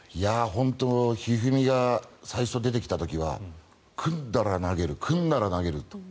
本当に一二三が最初に出てきた時は組んだら投げる組んだら投げる。